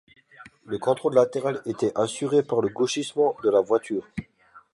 Le contrôle latéral était assuré par gauchissement de la voilure.